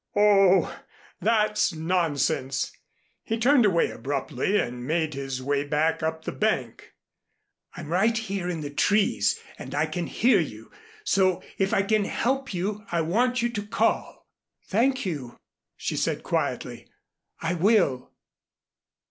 "Oh, that's nonsense." He turned away abruptly and made his way up the bank. "I'm right here in the trees and I can hear you. So if I can help you I want you to call." "Thank you," she said quietly, "I will."